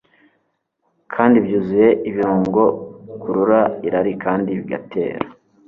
kandi byuzuye ibirungo bikurura irari kandi bigatera